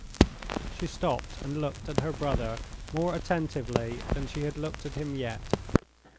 She stopped, and looked at her brother more attentively than she had looked at him yet.